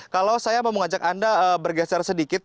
kalau saya mau mengajak anda bergeser sedikit